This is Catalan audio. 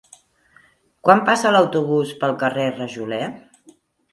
Quan passa l'autobús pel carrer Rajoler?